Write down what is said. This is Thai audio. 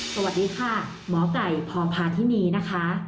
สวัสดีค่ะหมอไก่พพาธินีนะคะ